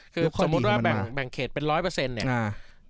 คือสมมุติว่าแบ่งเขตเป็นร้อยเปอร์เซ็นต์เนี่ย